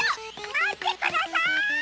まってください！